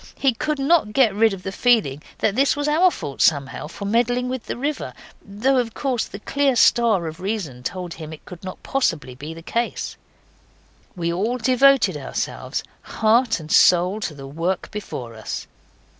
He could not get rid of the feeling that this was our fault somehow for meddling with the river, though of course the clear star of reason told him it could not possibly be the case. We all devoted ourselves, heart and soul, to the work before us.